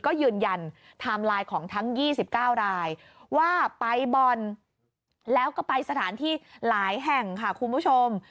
ก็ยืนยันไทม์ไลน์ของทั้ง๒๙รายว่าไปบ่อนแล้วก็ไปสถานที่หลายแห่งค่ะคุณผู้ชม